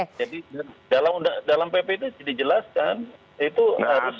jadi dalam pp itu jadi jelas kan itu harus